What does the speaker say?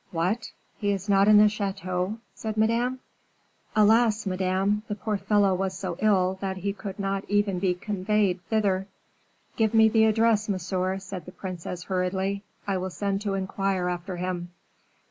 "What! he is not in the chateau?" said Madame. "Alas, Madame! the poor fellow was so ill, that he could not even be conveyed thither." "Give me the address, monsieur," said the princess, hurriedly; "I will send to inquire after him."